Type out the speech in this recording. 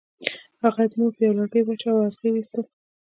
د هغه مور هغه په یوه لرګي واچاو او اغزي یې ایستل